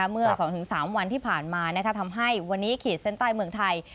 เมื่อ๒๓วันที่ผ่านมาทำให้วันนี้ขีดเส้นใต้เมืองไทย